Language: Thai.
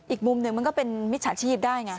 อีกมุมหนึ่งมันก็เป็นมิจฉาชีพได้ไง